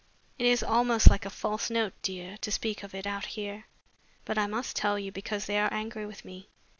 It is almost like a false note, dear, to speak of it out here, but I must tell you because they are angry with me.